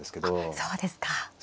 あっそうですか。